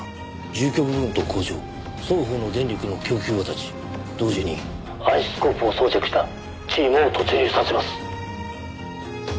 住居部分と工場双方の電力の供給を断ち同時に暗視スコープを装着したチームを突入させます。